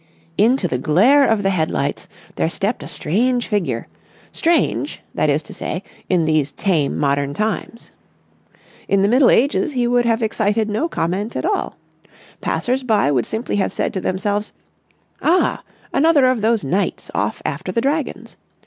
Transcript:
Into the glare of the headlights there stepped a strange figure, strange, that is to say, in these tame modern times. In the Middle Ages he would have excited no comment at all. Passers by would simply have said to themselves, "Ah, another of those knights off after the dragons!"